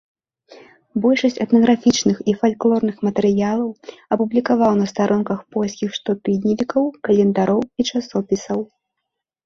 Большасць этнаграфічных і фальклорных матэрыялаў апублікаваў на старонках польскіх штотыднёвікаў, календароў і часопісаў.